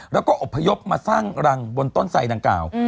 แล้วก็อบพยพมาสร้างรังบนต้นไสดังกล่าว